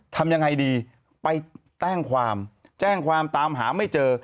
ทำยังไงดีไปแจ้งความแจ้งความตามหาไม่เจอ